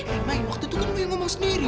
eh mai waktu itu kan lo yang ngomong sendiri